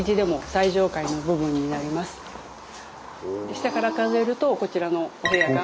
下から数えるとこちらのお部屋が。